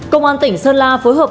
công an tỉnh sơn la phối hợp